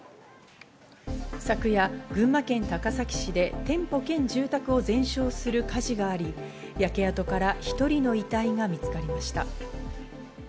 昨夜、群馬県高崎市で店舗兼住宅を全焼する火事があり、焼け跡から１人の遺体が見つかりました。